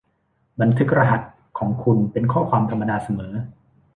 บันทึกรหัสของคุณเป็นข้อความธรรมดาเสมอ